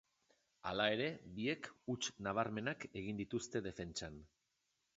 Hala ere, biek huts nabarmenak egin dituzte defentsan.